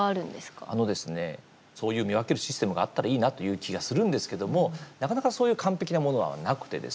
そういう見分けるシステムがあったらいいなという気がするんですけどもなかなかそういう完璧なものはなくてですね。